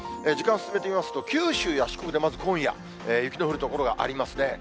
時間進めていきますと九州や四国で、まず今夜、雪の降る所がありますね。